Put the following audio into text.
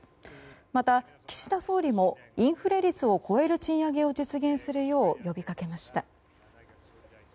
また、岸田総理もインフレ率を超える賃上げを実現するよう呼びかけました。